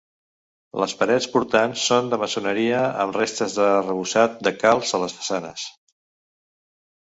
Les parets portants són de maçoneria amb restes d'arrebossat de calç a les façanes.